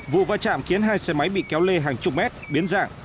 vụ va chạm khiến hai xe máy bị kéo lê hàng chục mét biến dạng